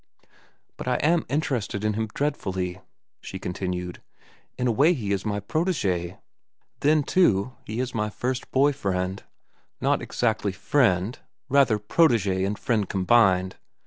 "But I am interested in him dreadfully," she continued. "In a way he is my protégé. Then, too, he is my first boy friend—but not exactly friend; rather protégé and friend combined.